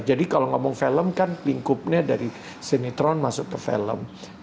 jadi kalau ngomong film kan lingkupnya dari sinetron masuk ke film